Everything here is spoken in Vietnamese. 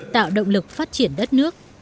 tạo động lực phát triển đất nước